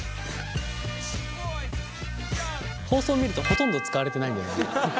放送見るとほとんど使われてないんだよね。